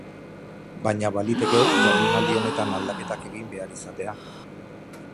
Baina baliteke jardunaldi honetan aldaketak egin behar izatea.